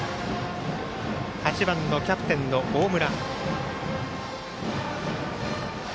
８番のキャプテンの大村。